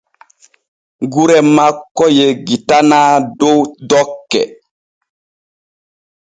Gure makko yeggitanaa dow dokke.